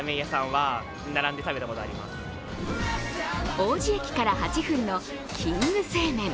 王子駅から８分のキング製麺。